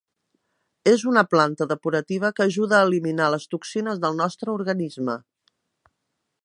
És una planta depurativa que ajuda a eliminar les toxines del nostre organisme.